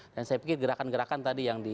dan saya pikir gerakan gerakan tadi yang di